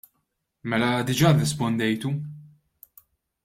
Mela diġà rrispondejtu.